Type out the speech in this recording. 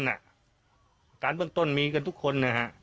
อาการเบื้องต้นมีกันทุกคน